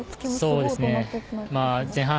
そうですね。